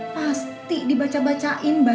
pasti dibaca bacain bah